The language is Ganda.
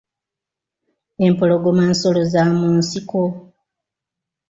Empologoma nsolo za mu nsiko.